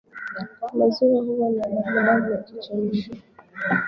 Maziwa huwa na damudamu yakichemshwa